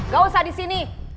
gak usah disini